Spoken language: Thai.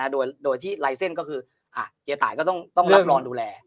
โดยที่ไลเซ่นยังตายก็ต้องรับรองดูแล